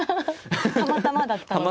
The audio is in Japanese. たまたまだったのか。